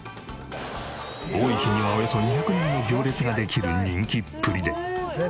多い日にはおよそ２００人の行列ができる人気っぷりで。